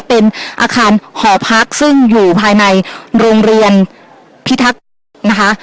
เป็นอาคารหอพักซึ่งอยู่ภายในโรงเรียนพิทักษิตนะคะ